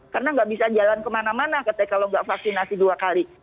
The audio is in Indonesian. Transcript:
karena nggak bisa jalan kemana mana kalau nggak vaksinasi dua kali